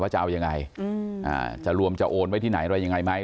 จะเอายังไงจะรวมจะโอนไว้ที่ไหนอะไรยังไงไหม